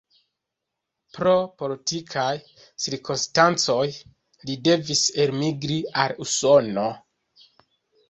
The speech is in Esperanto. Pro politikaj cirkonstancoj li devis elmigri al Usono.